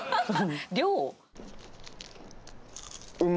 量！？